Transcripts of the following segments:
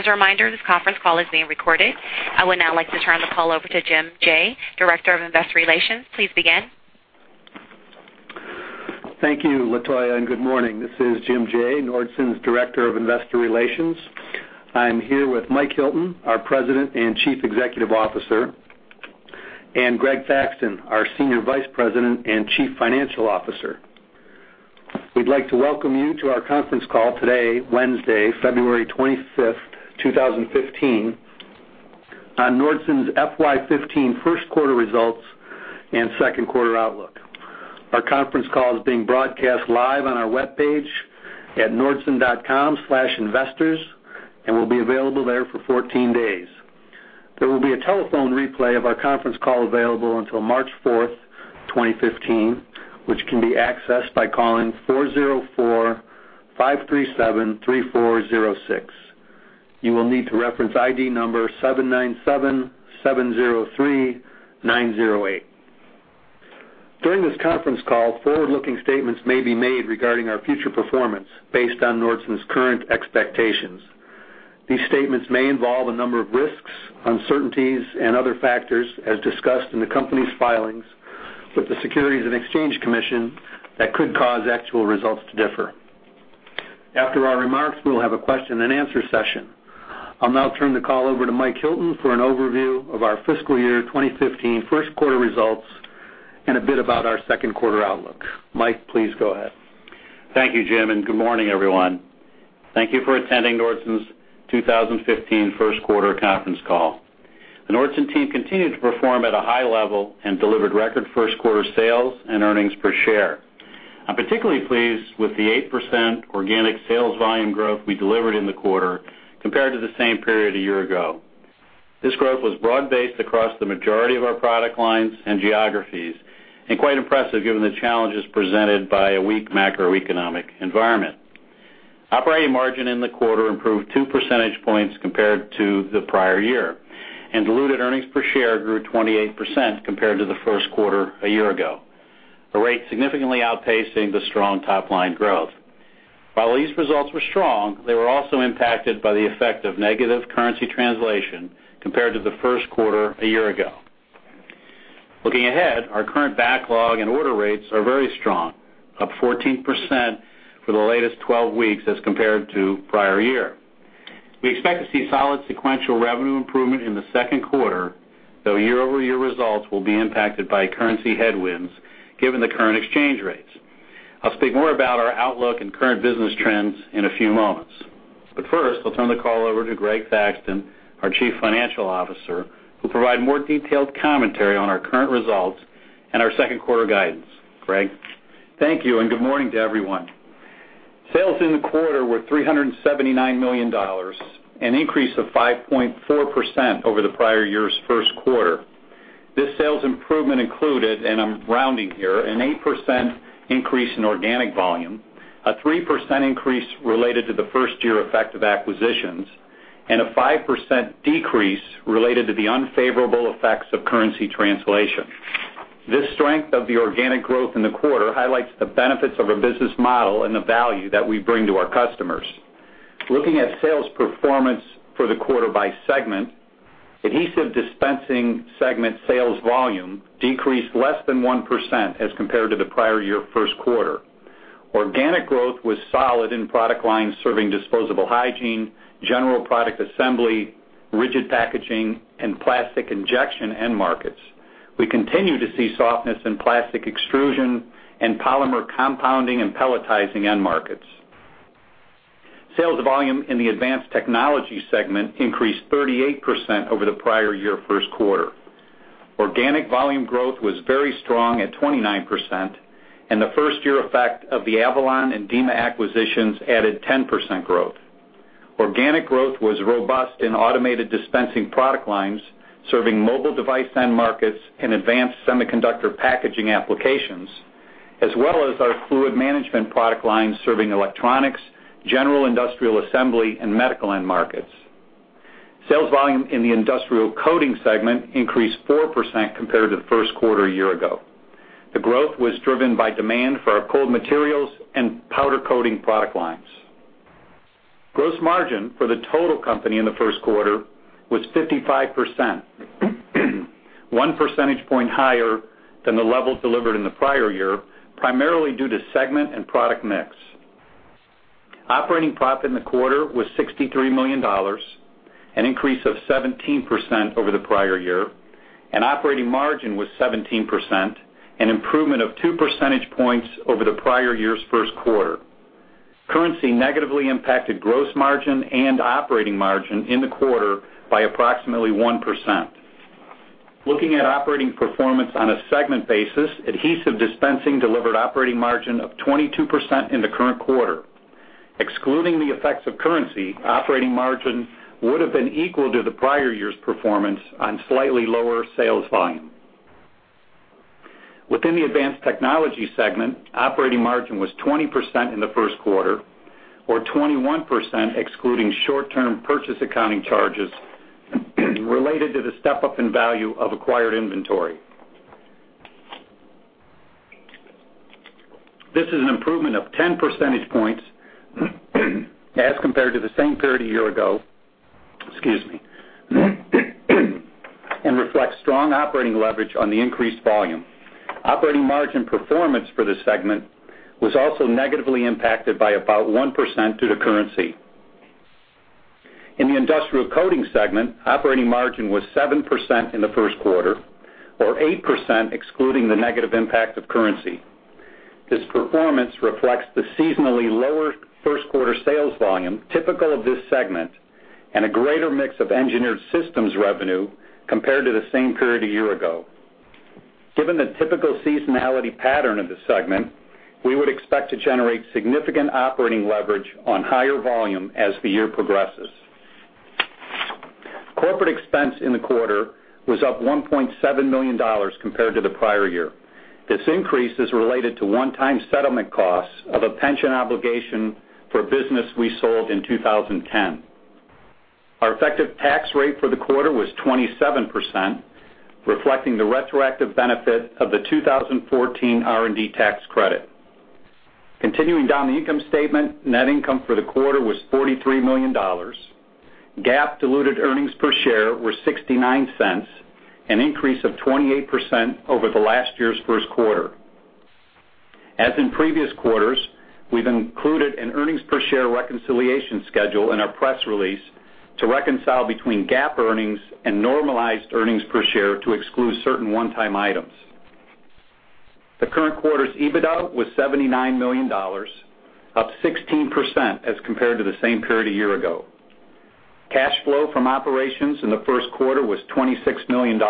As a reminder, this conference call is being recorded. I would now like to turn the call over to Jim Jaye, Director of Investor Relations. Please begin. Thank you, Latoya, and good morning. This is Jim Jaye, Nordson's Director of Investor Relations. I'm here with Mike Hilton, our President and Chief Executive Officer, and Greg Thaxton, our Senior Vice President and Chief Financial Officer. We'd like to welcome you to our conference call today, Wednesday, February 25th, 2015, on Nordson's FY15 first quarter results and second quarter outlook. Our conference call is being broadcast live on our webpage at nordson.com/investors and will be available there for 14 days. There will be a telephone replay of our conference call available until March 4th, 2015, which can be accessed by calling 404-537-3406. You will need to reference ID number 797703908. During this conference call, forward-looking statements may be made regarding our future performance based on Nordson's current expectations. These statements may involve a number of risks, uncertainties, and other factors, as discussed in the company's filings with the Securities and Exchange Commission, that could cause actual results to differ. After our remarks, we'll have a question-and-answer session. I'll now turn the call over to Mike Hilton for an overview of our fiscal year 2015 first quarter results and a bit about our second quarter outlook. Mike, please go ahead. Thank you, Jim, and good morning, everyone. Thank you for attending Nordson's 2015 first quarter conference call. The Nordson team continued to perform at a high level and delivered record first quarter sales and earnings per share. I'm particularly pleased with the 8% organic sales volume growth we delivered in the quarter compared to the same period a year ago. This growth was broad-based across the majority of our product lines and geographies, and quite impressive given the challenges presented by a weak macroeconomic environment. Operating margin in the quarter improved 2 percentage points compared to the prior year, and diluted earnings per share grew 28% compared to the first quarter a year ago, a rate significantly outpacing the strong top-line growth. While these results were strong, they were also impacted by the effect of negative currency translation compared to the first quarter a year ago. Looking ahead, our current backlog and order rates are very strong, up 14% for the latest 12 weeks as compared to prior year. We expect to see solid sequential revenue improvement in the second quarter, though year-over-year results will be impacted by currency headwinds given the current exchange rates. I'll speak more about our outlook and current business trends in a few moments. First, I'll turn the call over to Greg Thaxton, our Chief Financial Officer, who will provide more detailed commentary on our current results and our second quarter guidance. Greg? Thank you, and good morning to everyone. Sales in the quarter were $379 million, an increase of 5.4% over the prior year's first quarter. This sales improvement included, and I'm rounding here, an 8% increase in organic volume, a 3% increase related to the first year effect of acquisitions, and a 5% decrease related to the unfavorable effects of currency translation. This strength of the organic growth in the quarter highlights the benefits of our business model and the value that we bring to our customers. Looking at sales performance for the quarter by segment, Adhesive Dispensing segment sales volume decreased less than 1% as compared to the prior year first quarter. Organic growth was solid in product lines serving disposable hygiene, general product assembly, rigid packaging, and plastic injection end markets. We continue to see softness in plastic extrusion and polymer compounding and pelletizing end markets. Sales volume in the Advanced Technology segment increased 38% over the prior year first quarter. Organic volume growth was very strong at 29%, and the first year effect of the Avalon and Dima acquisitions added 10% growth. Organic growth was robust in automated dispensing product lines serving mobile device end markets and advanced semiconductor packaging applications, as well as our fluid management product lines serving electronics, general industrial assembly, and medical end markets. Sales volume in the Industrial Coating segment increased 4% compared to the first quarter a year ago. The growth was driven by demand for our cold materials and powder coating product lines. Gross margin for the total company in the first quarter was 55%, 1 percentage point higher than the level delivered in the prior year, primarily due to segment and product mix. Operating profit in the quarter was $63 million, an increase of 17% over the prior year, and operating margin was 17%, an improvement of 2 percentage points over the prior year's first quarter. Currency negatively impacted gross margin and operating margin in the quarter by approximately 1%. Looking at operating performance on a segment basis, Adhesive Dispensing delivered operating margin of 22% in the current quarter. Excluding the effects of currency, operating margin would have been equal to the prior year's performance on slightly lower sales volume. Within the Advanced Technology segment, operating margin was 20% in the first quarter, or 21% excluding short-term purchase accounting charges related to the step-up in value of acquired inventory. This is an improvement of 10 percentage points as compared to the same period a year ago, excuse me, and reflects strong operating leverage on the increased volume. Operating margin performance for this segment was also negatively impacted by about 1% due to currency. In the Industrial Coating Systems segment, operating margin was 7% in the first quarter, or 8% excluding the negative impact of currency. This performance reflects the seasonally lower first quarter sales volume typical of this segment, and a greater mix of engineered systems revenue compared to the same period a year ago. Given the typical seasonality pattern of this segment, we would expect to generate significant operating leverage on higher volume as the year progresses. Corporate expense in the quarter was up $1.7 million compared to the prior year. This increase is related to one-time settlement costs of a pension obligation for a business we sold in 2010. Our effective tax rate for the quarter was 27%, reflecting the retroactive benefit of the 2014 R&D tax credit. Continuing down the income statement, net income for the quarter was $43 million. GAAP diluted earnings per share were $0.69, an increase of 28% over the last year's first quarter. As in previous quarters, we've included an earnings per share reconciliation schedule in our press release to reconcile between GAAP earnings and normalized earnings per share to exclude certain one-time items. The current quarter's EBITDA was $79 million, up 16% as compared to the same period a year ago. Cash flow from operations in the first quarter was $26 million,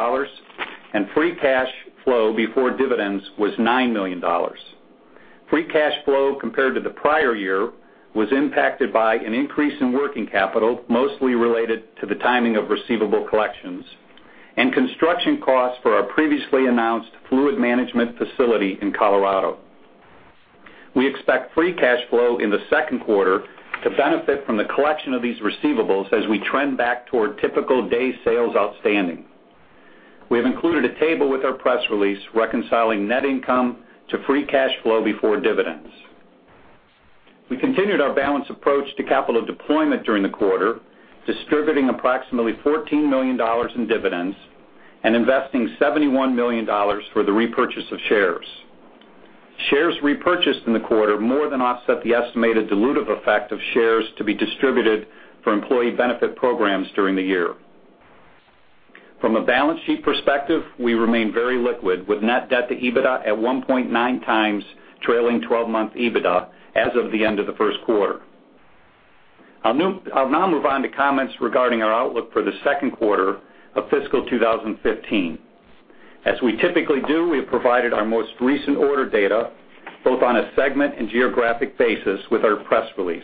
and free cash flow before dividends was $9 million. Free cash flow compared to the prior year was impacted by an increase in working capital, mostly related to the timing of receivable collections and construction costs for our previously announced fluid management facility in Colorado. We expect free cash flow in the second quarter to benefit from the collection of these receivables as we trend back toward typical day sales outstanding. We have included a table with our press release reconciling net income to free cash flow before dividends. We continued our balanced approach to capital deployment during the quarter, distributing approximately $14 million in dividends and investing $71 million for the repurchase of shares. Shares repurchased in the quarter more than offset the estimated dilutive effect of shares to be distributed for employee benefit programs during the year. From a balance sheet perspective, we remain very liquid, with net debt to EBITDA at 1.9x trailing 12-month EBITDA as of the end of the first quarter. I'll now move on to comments regarding our outlook for the second quarter of fiscal 2015. As we typically do, we have provided our most recent order data, both on a segment and geographic basis, with our press release.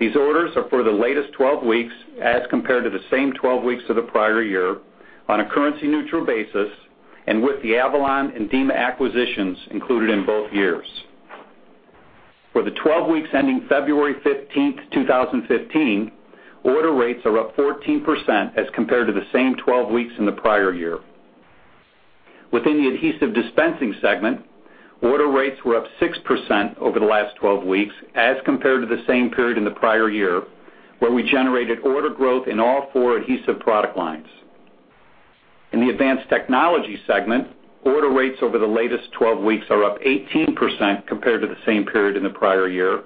These orders are for the latest 12 weeks, as compared to the same 12 weeks of the prior year, on a currency-neutral basis and with the Avalon and Dima acquisitions included in both years. For the 12 weeks ending February 15th, 2015, order rates are up 14% as compared to the same 12 weeks in the prior year. Within the Adhesive Dispensing segment, order rates were up 6% over the last 12 weeks as compared to the same period in the prior year, where we generated order growth in all four adhesive product lines. In the Advanced Technology segment, order rates over the latest 12 weeks are up 18% compared to the same period in the prior year,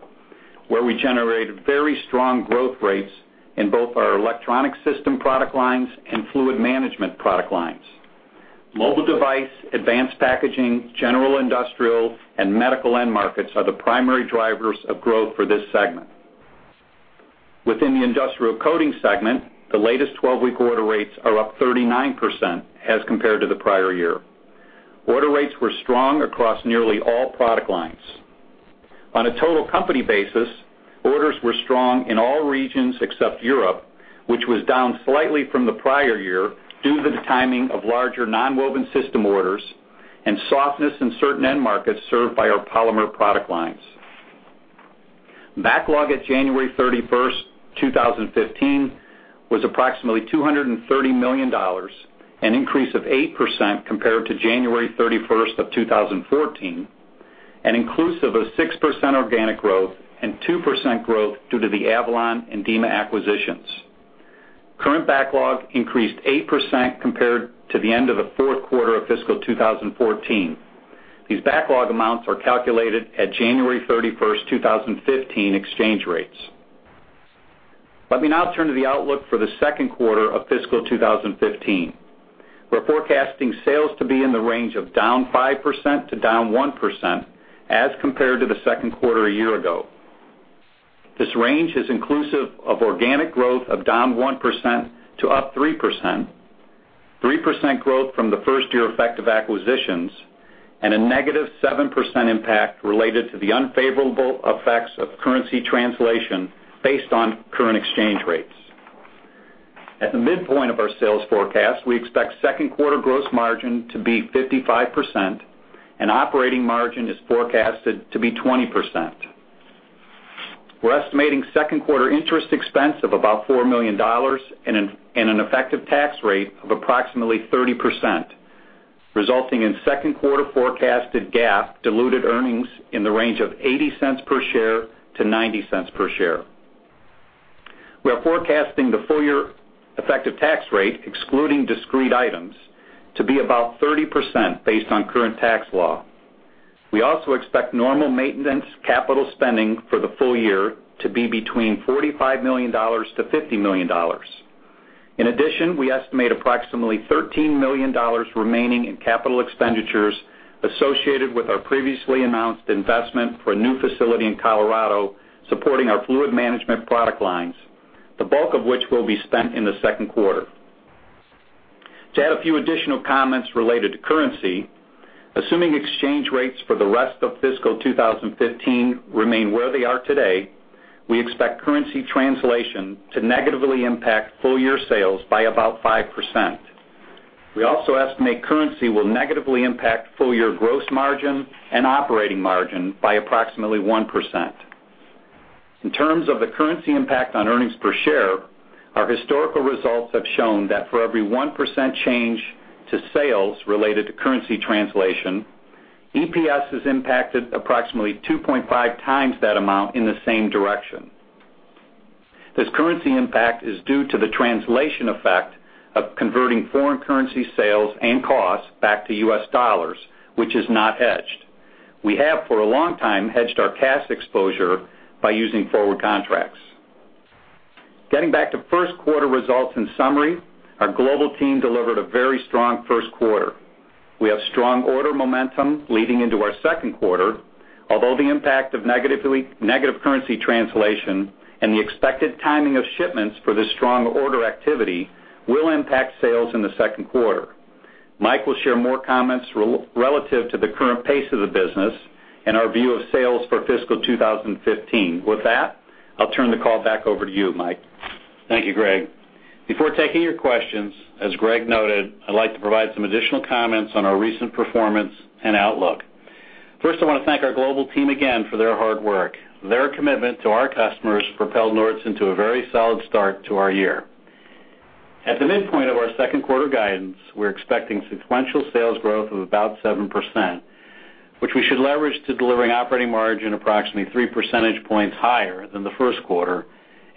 where we generated very strong growth rates in both our electronics systems product lines and fluid management product lines. Mobile device, advanced packaging, general industrial, and medical end markets are the primary drivers of growth for this segment. Within the Industrial Coatings segment, the latest 12-week order rates are up 39% as compared to the prior year. Order rates were strong across nearly all product lines. On a total company basis, orders were strong in all regions except Europe, which was down slightly from the prior year due to the timing of larger nonwoven system orders and softness in certain end markets served by our polymer product lines. Backlog at January 31st, 2015 was approximately $230 million, an increase of 8% compared to January 31st, 2014, and inclusive of 6% organic growth and 2% growth due to the Avalon and Dima acquisitions. Current backlog increased 8% compared to the end of the fourth quarter of fiscal 2014. These backlog amounts are calculated at January 31st, 2015 exchange rates. Let me now turn to the outlook for the second quarter of fiscal 2015. We're forecasting sales to be in the range of -5% to -1% as compared to the second quarter a year ago. This range is inclusive of organic growth of -1% to +3%, 3% growth from the first year effect of acquisitions, and a -7% impact related to the unfavorable effects of currency translation based on current exchange rates. At the midpoint of our sales forecast, we expect second quarter gross margin to be 55%, and operating margin is forecasted to be 20%. We're estimating second quarter interest expense of about $4 million and an effective tax rate of approximately 30%, resulting in second quarter forecasted GAAP diluted earnings in the range of $0.80 per share to $0.90 per share. We are forecasting the full year effective tax rate, excluding discrete items, to be about 30% based on current tax law. We also expect normal maintenance capital spending for the full year to be between $45 million-$50 million. In addition, we estimate approximately $13 million remaining in capital expenditures associated with our previously announced investment for a new facility in Colorado supporting our fluid management product lines, the bulk of which will be spent in the second quarter. To add a few additional comments related to currency, assuming exchange rates for the rest of fiscal 2015 remain where they are today, we expect currency translation to negatively impact full year sales by about 5%. We also estimate currency will negatively impact full year gross margin and operating margin by approximately 1%. In terms of the currency impact on earnings per share, our historical results have shown that for every 1% change to sales related to currency translation, EPS has impacted approximately 2.5x that amount in the same direction. This currency impact is due to the translation effect of converting foreign currency sales and costs back to U.S. dollars, which is not hedged. We have, for a long time, hedged our cash exposure by using forward contracts. Getting back to first quarter results. In summary, our global team delivered a very strong first quarter. We have strong order momentum leading into our second quarter. Although the impact of negative currency translation and the expected timing of shipments for this strong order activity will impact sales in the second quarter. Mike will share more comments relative to the current pace of the business and our view of sales for fiscal 2015. With that, I'll turn the call back over to you, Mike. Thank you, Greg. Before taking your questions, as Greg noted, I'd like to provide some additional comments on our recent performance and outlook. First, I wanna thank our global team again for their hard work. Their commitment to our customers propelled Nordson to a very solid start to our year. At the midpoint of our second quarter guidance, we're expecting sequential sales growth of about 7%, which we should leverage to delivering operating margin approximately 3 percentage points higher than the first quarter,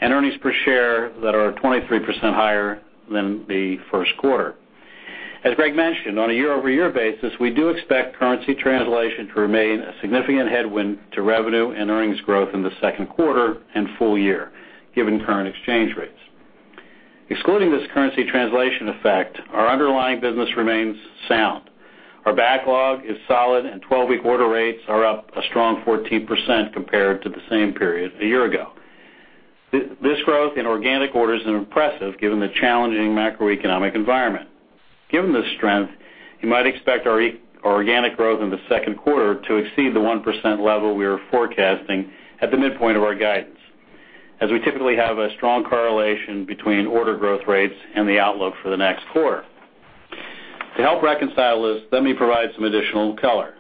and earnings per share that are 23% higher than the first quarter. As Greg mentioned, on a year-over-year basis, we do expect currency translation to remain a significant headwind to revenue and earnings growth in the second quarter and full year, given current exchange rates. Excluding this currency translation effect, our underlying business remains sound. Our backlog is solid, and 12-week order rates are up a strong 14% compared to the same period a year ago. This growth in organic orders is impressive given the challenging macroeconomic environment. Given this strength, you might expect our organic growth in the second quarter to exceed the 1% level we are forecasting at the midpoint of our guidance, as we typically have a strong correlation between order growth rates and the outlook for the next quarter. To help reconcile this, let me provide some additional color.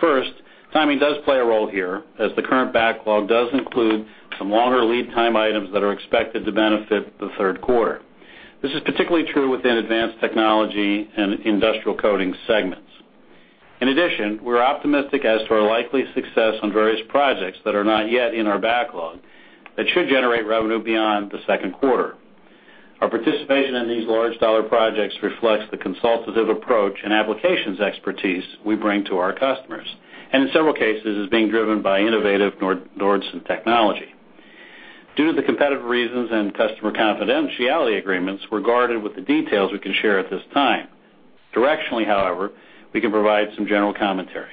First, timing does play a role here, as the current backlog does include some longer lead time items that are expected to benefit the third quarter. This is particularly true within Advanced Technology and Industrial Coating segments. In addition, we're optimistic as to our likely success on various projects that are not yet in our backlog that should generate revenue beyond the second quarter. Our participation in these large dollar projects reflects the consultative approach and applications expertise we bring to our customers. In several cases is being driven by innovative Nordson technology. Due to the competitive reasons and customer confidentiality agreements, we're guarded with the details we can share at this time. Directionally, however, we can provide some general commentary.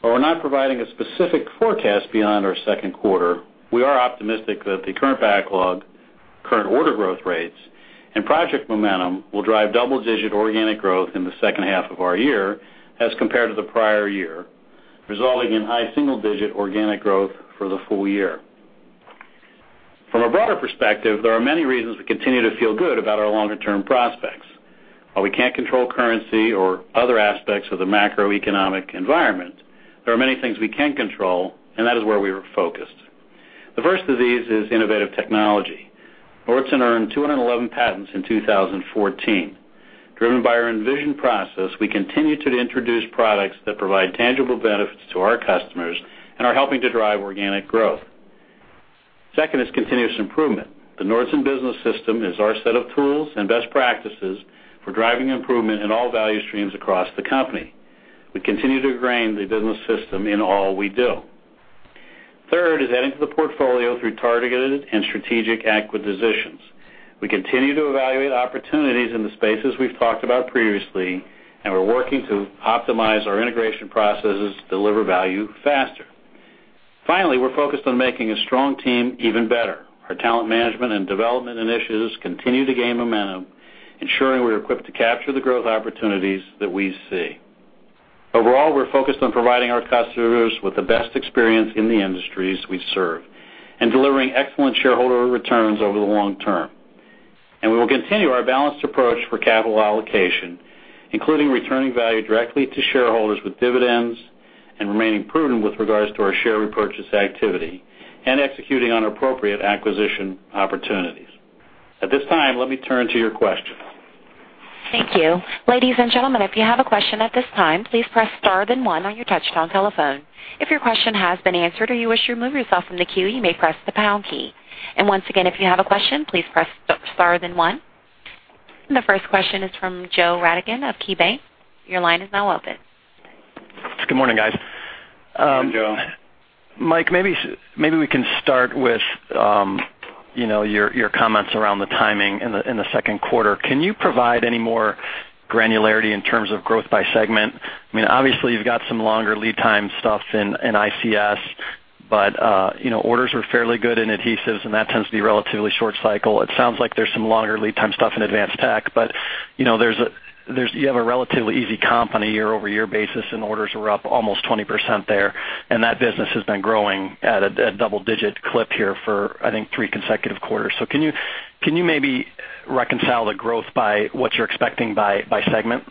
While we're not providing a specific forecast beyond our second quarter, we are optimistic that the current backlog, current order growth rates, and project momentum will drive double-digit organic growth in the second half of our year as compared to the prior year, resulting in high single-digit organic growth for the full year. From a broader perspective, there are many reasons we continue to feel good about our longer-term prospects. While we can't control currency or other aspects of the macroeconomic environment, there are many things we can control, and that is where we are focused. The first of these is innovative technology. Nordson earned 211 patents in 2014. Driven by our Envision process, we continue to introduce products that provide tangible benefits to our customers and are helping to drive organic growth. Second is continuous improvement. The Nordson Business System is our set of tools and best practices for driving improvement in all value streams across the company. We continue to ingrain the business system in all we do. Third is adding to the portfolio through targeted and strategic acquisitions. We continue to evaluate opportunities in the spaces we've talked about previously, and we're working to optimize our integration processes to deliver value faster. Finally, we're focused on making a strong team even better. Our talent management and development initiatives continue to gain momentum, ensuring we're equipped to capture the growth opportunities that we see. Overall, we're focused on providing our customers with the best experience in the industries we serve and delivering excellent shareholder returns over the long term. We will continue our balanced approach for capital allocation, including returning value directly to shareholders with dividends and remaining prudent with regards to our share repurchase activity and executing on appropriate acquisition opportunities. At this time, let me turn to your questions. Thank you. Ladies and gentlemen, if you have a question at this time, please press Star then One on your touchtone telephone. If your question has been answered or you wish to remove yourself from the queue, you may press the Pound key. Once again, if you have a question, please press Star then One. The first question is from Joe Radigan of KeyBanc. Your line is now open. Good morning, guys. Good morning, Joe. Mike, maybe we can start with, you know, your comments around the timing in the second quarter. Can you provide any more granularity in terms of growth by segment? I mean, obviously, you've got some longer lead time stuff in ICS, but, you know, orders are fairly good in adhesives, and that tends to be relatively short cycle. It sounds like there's some longer lead time stuff in advanced tech, but, you know, you have a relatively easy comp on a year-over-year basis, and orders are up almost 20% there, and that business has been growing at a double-digit clip here for, I think, three consecutive quarters. Can you maybe reconcile the growth by what you're expecting by segment?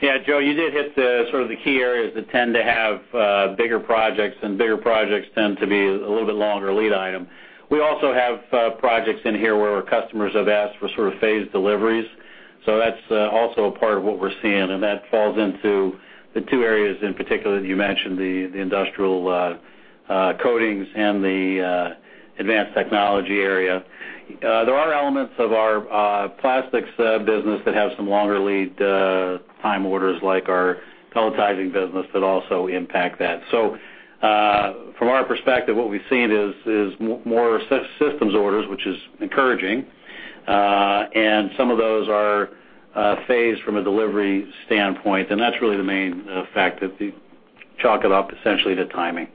Yeah, Joe, you did hit sort of the key areas that tend to have bigger projects, and bigger projects tend to be a little bit longer lead item. We also have projects in here where our customers have asked for sort of phased deliveries. That's also a part of what we're seeing, and that falls into the two areas in particular that you mentioned, the industrial coatings and the advanced technology area. There are elements of our plastics business that have some longer lead time orders like our pelletizing business that also impact that. From our perspective, what we've seen is more systems orders, which is encouraging. Some of those are phased from a delivery standpoint, and that's really the main fact that we chalk it up essentially to timing.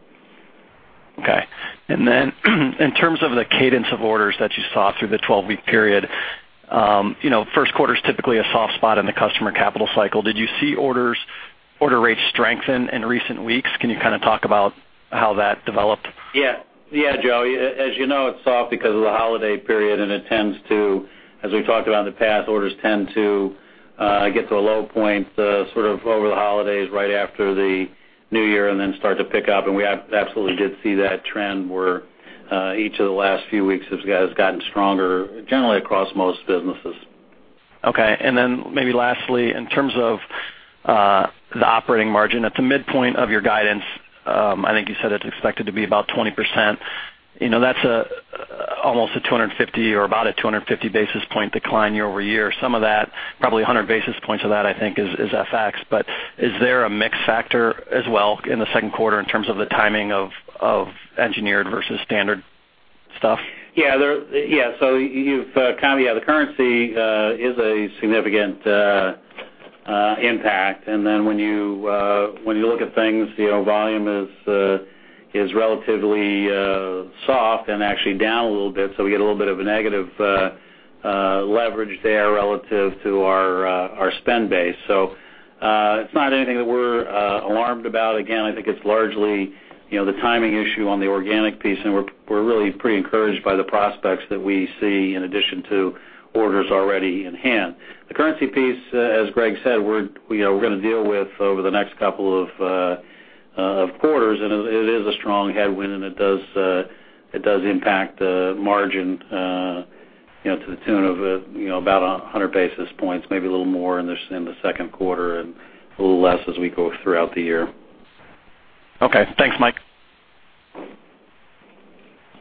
Okay. In terms of the cadence of orders that you saw through the 12-week period, you know, first quarter is typically a soft spot in the customer capital cycle. Did you see order rates strengthen in recent weeks? Can you kind of talk about how that developed? Yeah. Yeah, Joe. As you know, it's soft because of the holiday period, and it tends to, as we talked about in the past, orders tend to get to a low point, sort of over the holidays right after the new year and then start to pick up. We absolutely did see that trend where each of the last few weeks has gotten stronger, generally across most businesses. Okay. Maybe lastly, in terms of the operating margin at the midpoint of your guidance, I think you said it's expected to be about 20%. You know, that's almost a 250 basis point decline year-over-year. Some of that, probably 100 basis points of that, I think is FX, but is there a mix factor as well in the second quarter in terms of the timing of engineered versus standard stuff? Yeah. You've kind of, yeah, the currency is a significant impact. When you look at things, you know, volume is relatively soft and actually down a little bit, so we get a little bit of a negative leverage there relative to our spend base. It's not anything that we're alarmed about. Again, I think it's largely, you know, the timing issue on the organic piece, and we're really pretty encouraged by the prospects that we see in addition to orders already in hand. The currency piece, as Greg said, we're you know gonna deal with over the next couple of quarters, and it is a strong headwind, and it does impact the margin you know to the tune of about 100 basis points, maybe a little more in the second quarter and a little less as we go throughout the year. Okay. Thanks, Mike.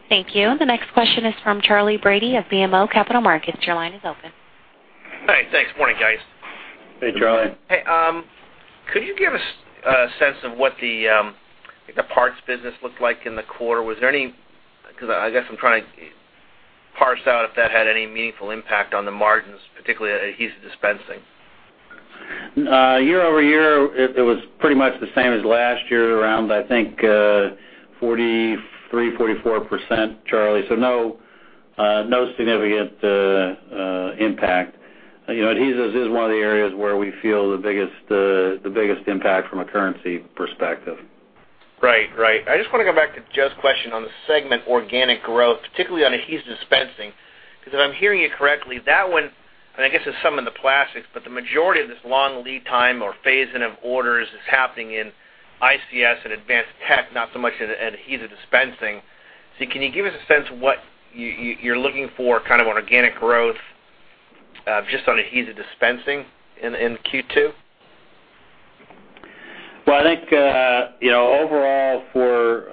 Thank you. The next question is from Charley Brady of BMO Capital Markets. Your line is open. Hi. Thanks. Morning, guys. Hey, Charlie. Hey, could you give us a sense of what the parts business looked like in the quarter? 'Cause I guess I'm trying to parse out if that had any meaningful impact on the margins, particularly adhesive dispensing. Year over year, it was pretty much the same as last year, around I think 43%-44%, Charlie. No significant impact. You know, adhesives is one of the areas where we feel the biggest impact from a currency perspective. Right. Right. I just wanna go back to Joe's question on the segment organic growth, particularly on adhesive dispensing, 'cause if I'm hearing you correctly, that one, and I guess there's some in the plastics, but the majority of this long lead time or phase in of orders is happening in ICS and advanced tech, not so much in adhesive dispensing. Can you give us a sense of what you're looking for kind of on organic growth, just on adhesive dispensing in Q2? Well, I think, you know, overall for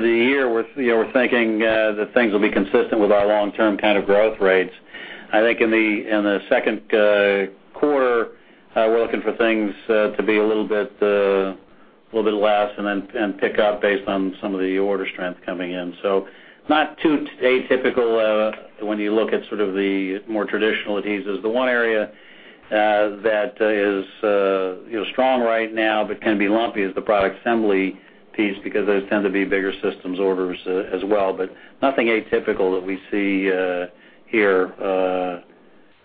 the year, we're, you know, we're thinking that things will be consistent with our long-term kind of growth rates. I think in the second quarter, we're looking for things to be a little bit less and then pick up based on some of the order strength coming in. So not too atypical when you look at sort of the more traditional adhesives. The one area that is, you know, strong right now but can be lumpy is the product assembly piece, because those tend to be bigger systems orders as well, but nothing atypical that we see here.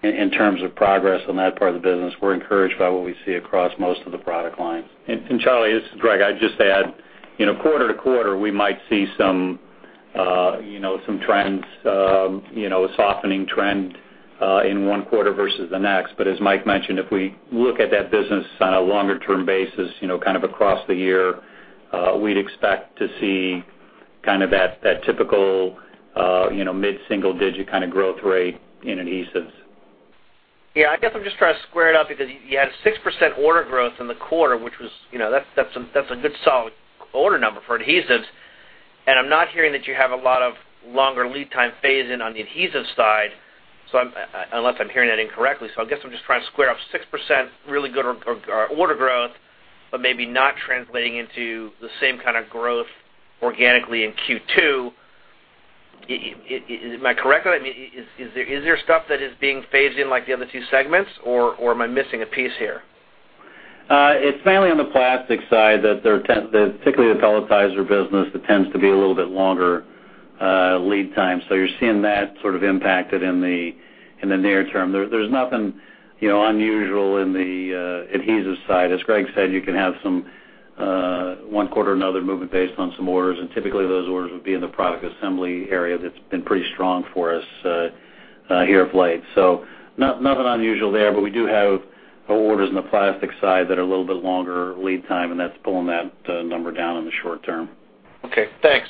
In terms of progress on that part of the business, we're encouraged by what we see across most of the product lines. Charlie, this is Greg. I'd just add, quarter to quarter, we might see some, you know, some trends, you know, a softening trend, in one quarter versus the next. As Mike mentioned, if we look at that business on a longer-term basis, you know, kind of across the year, we'd expect to see kind of that typical, you know, mid-single digit kind of growth rate in adhesives. Yeah, I guess I'm just trying to square it up because you had a 6% order growth in the quarter, which was, you know, that's a good solid order number for adhesives. I'm not hearing that you have a lot of longer lead time phase in on the adhesive side. I'm—unless I'm hearing that incorrectly. I guess I'm just trying to square up 6% really good or order growth, but maybe not translating into the same kind of growth organically in Q2. It—am I correct? I mean, is there stuff that is being phased in like the other two segments, or am I missing a piece here? It's mainly on the plastic side that particularly the pelletizer business tends to be a little bit longer lead time. You're seeing that sort of impacted in the near term. There's nothing, you know, unusual in the adhesives side. As Greg said, you can have some one quarter or another movement based on some orders, and typically, those orders would be in the product assembly area that's been pretty strong for us here of late. Nothing unusual there, but we do have orders in the plastic side that are a little bit longer lead time, and that's pulling that number down in the short term. Okay, thanks.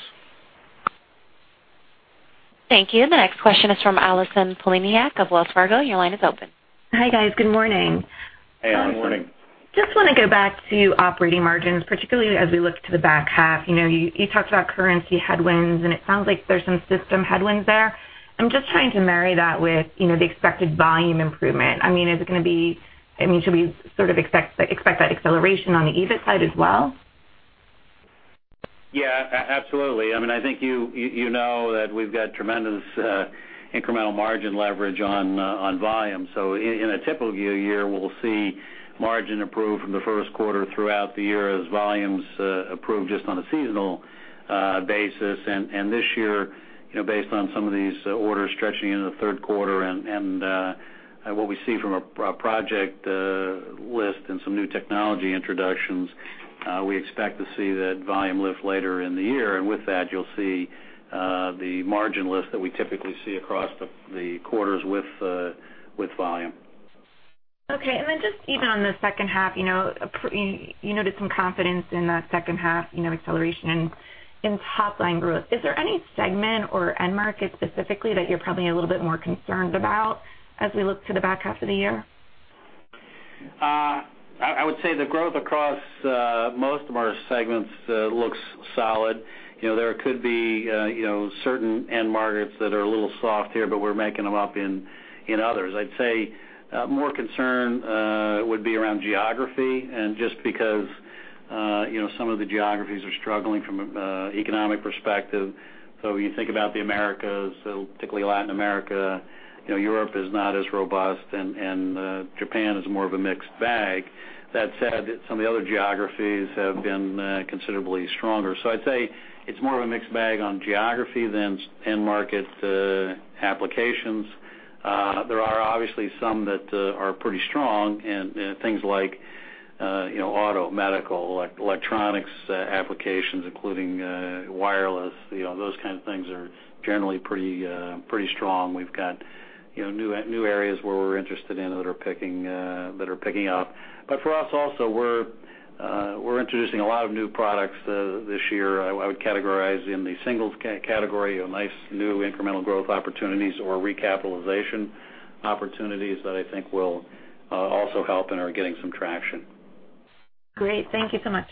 Thank you. The next question is from Allison Poliniak of Wells Fargo. Your line is open. Hi, guys. Good morning. Hey, Allison. Good morning. Just wanna go back to operating margins, particularly as we look to the back half. You know, you talked about currency headwinds, and it sounds like there's some system headwinds there. I'm just trying to marry that with, you know, the expected volume improvement. I mean, is it gonna be, I mean, should we sort of expect that acceleration on the EBIT side as well? Yeah, absolutely. I mean, I think you know that we've got tremendous incremental margin leverage on volume. In a typical year, we'll see margin improve from the first quarter throughout the year as volumes improve just on a seasonal basis. This year, you know, based on some of these orders stretching into the third quarter and what we see from a project list and some new technology introductions, we expect to see that volume lift later in the year. With that, you'll see the margin lift that we typically see across the quarters with volume. Okay. Just even on the second half, you know, you noted some confidence in the second half, you know, acceleration in top line growth. Is there any segment or end market specifically that you're probably a little bit more concerned about as we look to the back half of the year? I would say the growth across most of our segments looks solid. You know, there could be you know, certain end markets that are a little soft here, but we're making them up in others. I'd say more concern would be around geography, and just because you know, some of the geographies are struggling from an economic perspective. You think about the Americas, particularly Latin America. You know, Europe is not as robust, and Japan is more of a mixed bag. That said, some of the other geographies have been considerably stronger. I'd say it's more of a mixed bag on geography than end market applications. There are obviously some that are pretty strong and things like, you know, auto, medical, electronics applications, including wireless, you know, those kind of things are generally pretty strong. We've got, you know, new areas where we're interested in that are picking up. For us also, we're introducing a lot of new products this year. I would categorize in the singles category a nice new incremental growth opportunities or recapitalization opportunities that I think will also help and are getting some traction. Great. Thank you so much.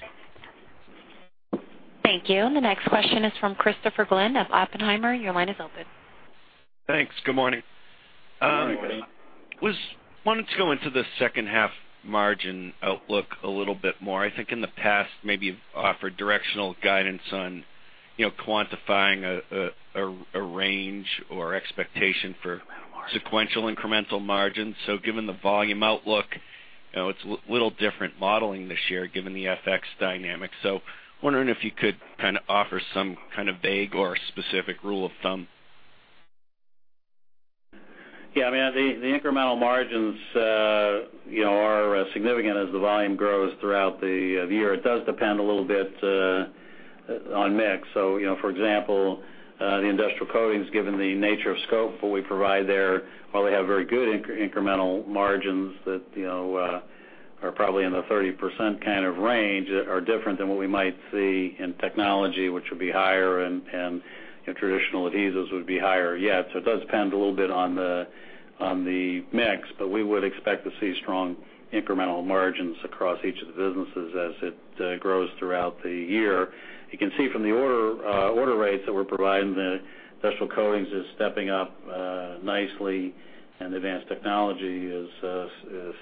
Thank you. The next question is from Christopher Glynn of Oppenheimer. Your line is open. Thanks. Good morning. Good morning. Wanted to go into the second half margin outlook a little bit more. I think in the past, maybe you've offered directional guidance on, you know, quantifying a range or expectation for sequential incremental margins. Given the volume outlook, you know, it's little different modeling this year given the FX dynamics. Wondering if you could kind of offer some kind of vague or specific rule of thumb. Yeah. I mean, the incremental margins, you know, are significant as the volume grows throughout the year. It does depend a little bit on mix. You know, for example, the industrial coatings, given the nature and scope of what we provide there, while they have very good incremental margins that, you know, are probably in the 30% kind of range, are different than what we might see in technology, which would be higher, and traditional adhesives would be higher yet. It does depend a little bit on the mix, but we would expect to see strong incremental margins across each of the businesses as it grows throughout the year. You can see from the order rates that we're providing, the Industrial Coatings is stepping up nicely, and Advanced Technology is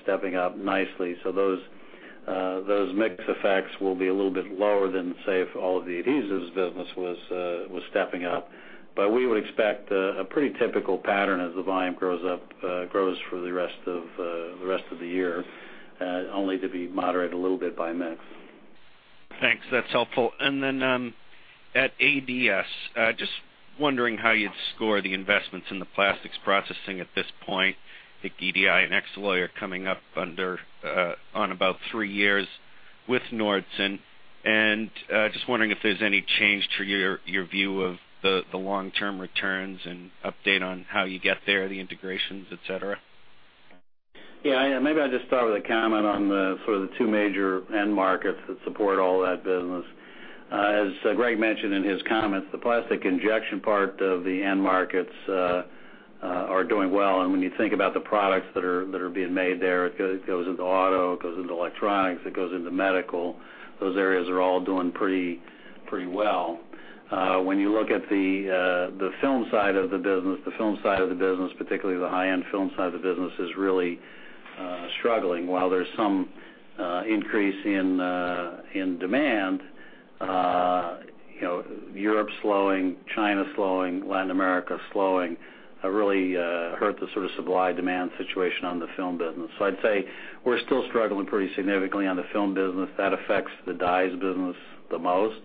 stepping up nicely. Those mix effects will be a little bit lower than, say, if all of the adhesives business was stepping up. We would expect a pretty typical pattern as the volume grows up for the rest of the year, only to be moderated a little bit by mix. Thanks. That's helpful. At ADS, just wondering how you'd score the investments in the plastics processing at this point. I think EDI and Xaloy are coming up on about three years with Nordson. Just wondering if there's any change to your view of the long-term returns, and update on how you get there, the integrations, et cetera. Yeah. Maybe I'll just start with a comment on the sort of the two major end markets that support all that business. As Greg mentioned in his comments, the plastic injection part of the end markets are doing well. When you think about the products that are being made there, it goes into auto, it goes into electronics, it goes into medical. Those areas are all doing pretty well. When you look at the film side of the business, particularly the high-end film side of the business, is really struggling. While there's some increase in demand, you know, Europe's slowing, China's slowing, Latin America's slowing, have really hurt the sort of supply-demand situation on the film business. I'd say we're still struggling pretty significantly on the film business. That affects the dies business the most.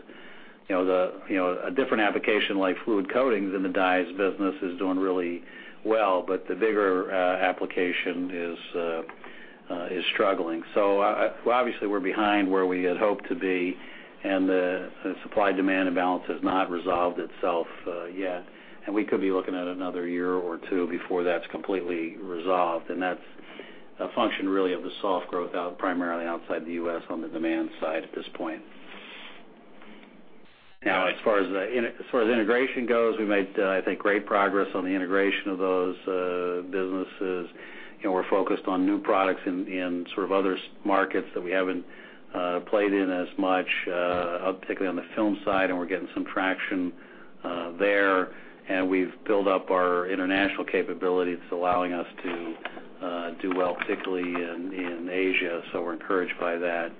You know, a different application like fluid coatings in the dies business is doing really well, but the bigger application is struggling. Obviously, we're behind where we had hoped to be, and the supply-demand imbalance has not resolved itself yet. We could be looking at another year or two before that's completely resolved, and that's a function really of the soft growth outlook, primarily outside the U.S. on the demand side at this point. Now, as far as integration goes, we made, I think, great progress on the integration of those businesses. You know, we're focused on new products in sort of other markets that we haven't played in as much, particularly on the film side, and we're getting some traction there. We've built up our international capabilities. It's allowing us to do well, particularly in Asia, so we're encouraged by that.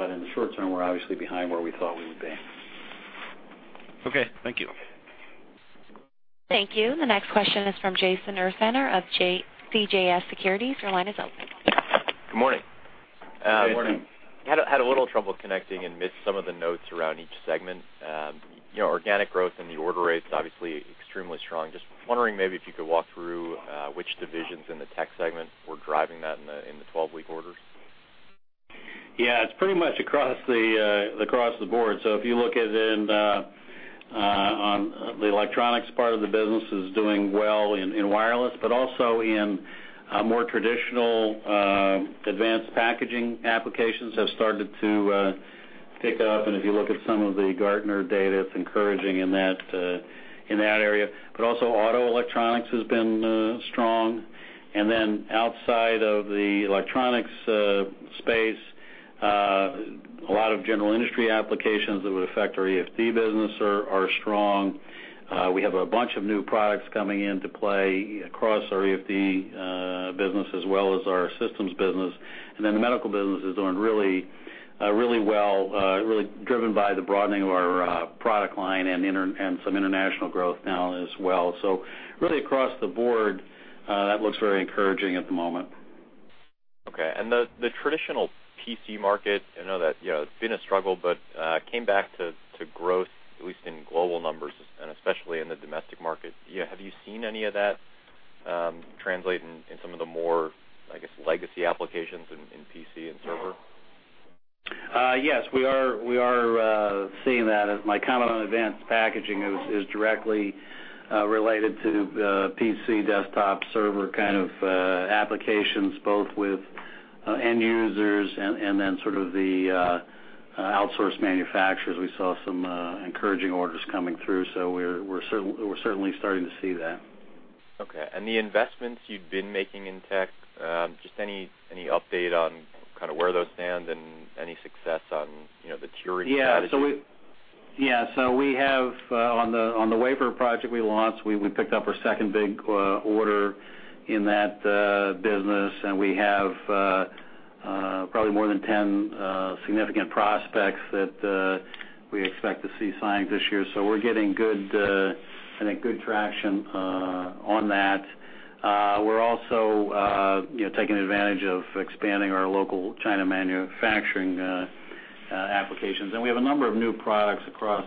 In the short term, we're obviously behind where we thought we would be. Okay. Thank you. Thank you. The next question is from Jason Ursaner of CJS Securities. Your line is open. Good morning. Good morning. Had a little trouble connecting and missed some of the notes around each segment. You know, organic growth in the order rates obviously extremely strong. Just wondering maybe if you could walk through which divisions in the tech segment were driving that in the 12-week orders. Yeah. It's pretty much across the board. If you look at it in the electronics part of the business is doing well in wireless, but also in more traditional advanced packaging applications have started to pick up. If you look at some of the Gartner data, it's encouraging in that area. Auto electronics has been strong. Outside of the electronics space, a lot of general industry applications that would affect our EFD business are strong. We have a bunch of new products coming into play across our EFD business, as well as our systems business. The medical business is doing really well, really driven by the broadening of our product line and some international growth now as well. Really across the board, that looks very encouraging at the moment. Okay. The traditional PC market, I know that, you know, it's been a struggle, but came back to growth, at least in global numbers and especially in the domestic market. Have you seen any of that translate in some of the more, I guess, legacy applications in PC and server? Yes. We are seeing that. My comment on advanced packaging is directly related to the PC, desktop, server kind of applications, both with end users and then sort of the outsource manufacturers. We saw some encouraging orders coming through, so we're certainly starting to see that. Okay. The investments you've been making in tech, just any update on kind of where those stand and any success on, you know, the tiering strategy? We have, on the wafer project we launched, we picked up our second big order in that business, and we have probably more than 10 significant prospects that we expect to see signed this year. We're getting good, I think, good traction on that. We're also, you know, taking advantage of expanding our local China manufacturing applications. We have a number of new products across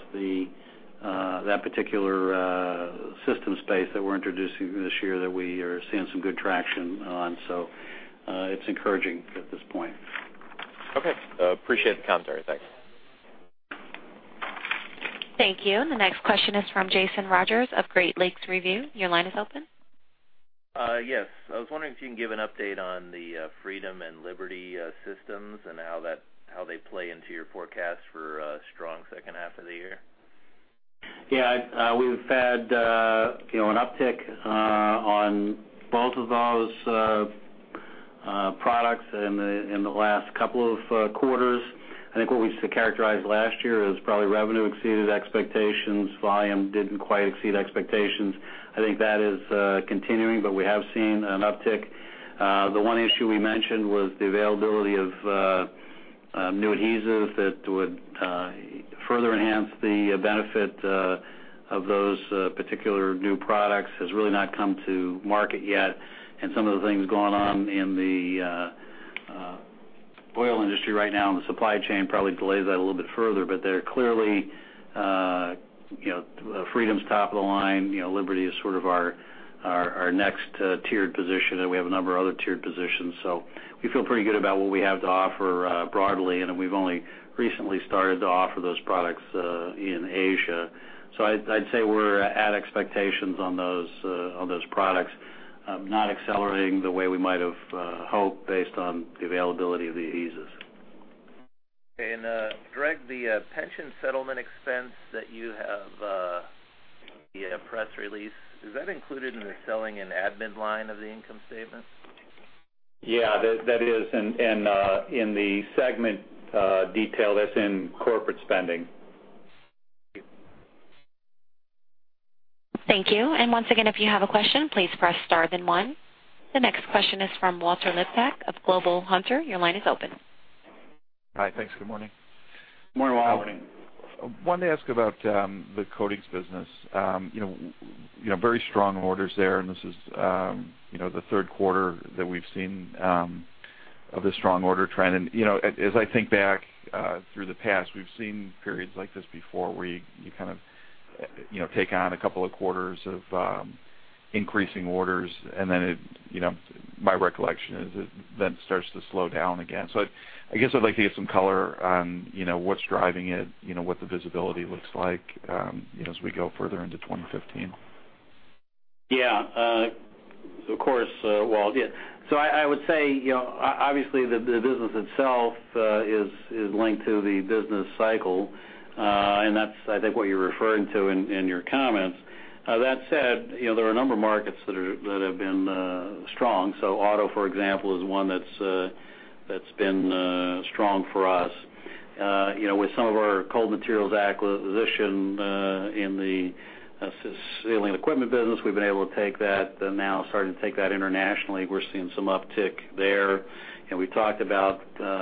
that particular system space that we're introducing this year that we are seeing some good traction on. It's encouraging at this point. Okay. Appreciate the commentary. Thanks. Thank you. The next question is from Jason Rodgers of Great Lakes Review. Your line is open. Yes. I was wondering if you can give an update on the Freedom and Liberty systems and how they play into your forecast for a strong second half of the year. Yeah. We've had, you know, an uptick on both of those products in the last couple of quarters. I think what we used to characterize last year is probably revenue exceeded expectations, volume didn't quite exceed expectations. I think that is continuing, but we have seen an uptick. The one issue we mentioned was the availability of new adhesives that would further enhance the benefit of those particular new products has really not come to market yet. Some of the things going on in the oil industry right now and the supply chain probably delays that a little bit further, but they're clearly, you know, Freedom's top of the line. You know, Liberty is sort of our next tiered position, and we have a number of other tiered positions. We feel pretty good about what we have to offer, broadly, and we've only recently started to offer those products in Asia. I'd say we're at expectations on those products, not accelerating the way we might have hoped based on the availability of the adhesives. Greg, the pension settlement expense that you have via press release, is that included in the selling and admin line of the income statement? Yeah, that is. In the segment detail, that's in corporate spending. Thank you. Thank you. Once again, if you have a question, please press Star then one. The next question is from Walter Liptak of Global Hunter. Your line is open. Hi. Thanks. Good morning. Good morning, Walter. Wanted to ask about the coatings business. You know, very strong orders there, and this is you know, the third quarter that we've seen of a strong order trend. You know, as I think back through the past, we've seen periods like this before where you kind of you know, take on a couple of quarters of increasing orders, and then it you know, my recollection is it then starts to slow down again. I guess I'd like to get some color on you know, what's driving it, you know, what the visibility looks like you know, as we go further into 2015. Of course, Walter. I would say, you know, obviously, the business itself is linked to the business cycle. That's, I think, what you're referring to in your comments. That said, you know, there are a number of markets that have been strong. Auto, for example, is one that's been strong for us. You know, with some of our cold materials acquisition in the sealant equipment business, we've been able to take that, and now starting to take that internationally. We're seeing some uptick there. We talked about,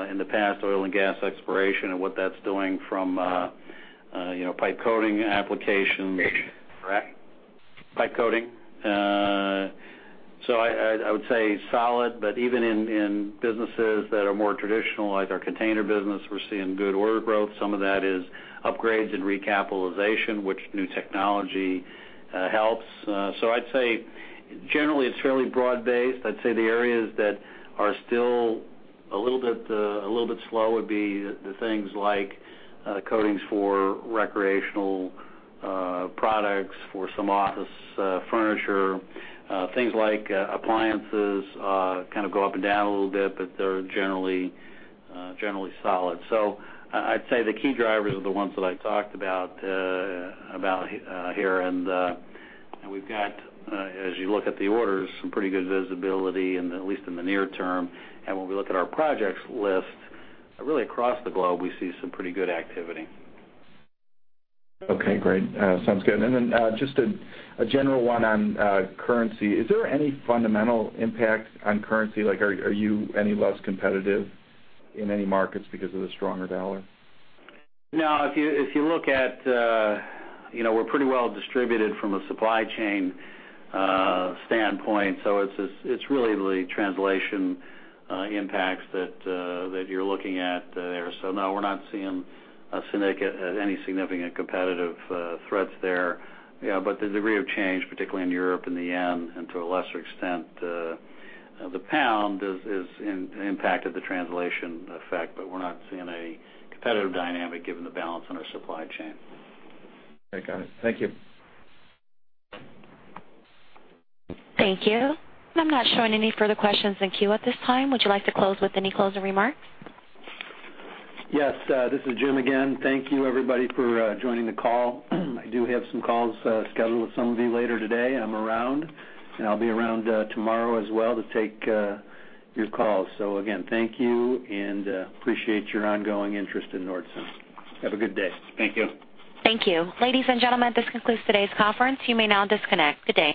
in the past, oil and gas exploration and what that's doing for, you know, pipe coating applications. Correct. Pipe coating. I would say solid, but even in businesses that are more traditional, like our container business, we're seeing good order growth. Some of that is upgrades and recapitalization, which new technology helps. I'd say generally it's fairly broad-based. I'd say the areas that are still a little bit slow would be the things like coatings for recreational products, for some office furniture. Things like appliances kind of go up and down a little bit, but they're generally solid. I'd say the key drivers are the ones that I talked about here. We've got, as you look at the orders, some pretty good visibility, and at least in the near term. When we look at our projects list, really across the globe, we see some pretty good activity. Okay, great. Sounds good. Just a general one on currency. Is there any fundamental impact on currency? Like, are you any less competitive in any markets because of the stronger dollar? No. If you look at, you know, we're pretty well distributed from a supply chain standpoint, so it's really the translation impacts that you're looking at there. No, we're not seeing any significant competitive threats there. The degree of change, particularly in Europe and the yen, and to a lesser extent, the pound has impacted the translation effect, but we're not seeing a competitive dynamic given the balance in our supply chain. Okay, got it. Thank you. Thank you. I'm not showing any further questions in queue at this time. Would you like to close with any closing remarks? Yes. This is Jim again. Thank you everybody for joining the call. I do have some calls scheduled with some of you later today. I'm around and I'll be around tomorrow as well to take your calls. Again, thank you and appreciate your ongoing interest in Nordson. Have a good day. Thank you. Thank you. Ladies and gentlemen, this concludes today's conference. You may now disconnect. Good day.